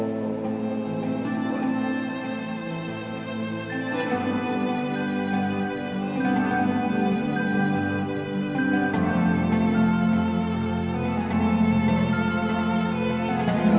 terima kasih suhaim